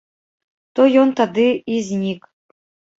То ён тады і знік.